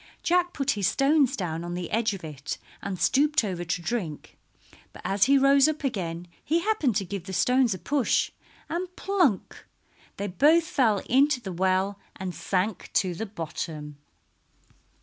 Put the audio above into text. Jack put his stones down on the edge of it and stooped over to drink, but as he rose up again he happened to give the stones a push, and plunk! they both fell into the well and sank to the bottom.